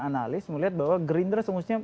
analis melihat bahwa gerindra semestinya